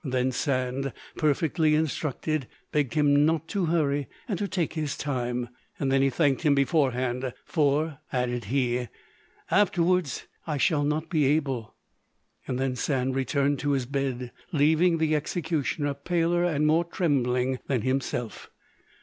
Then Sand, perfectly instructed, begged him not to hurry and to take his time. Then he thanked him beforehand; "for," added he, "afterwards I shall not be able." Then Sand returned to his bed, leaving the executioner paler and more trembling than himself.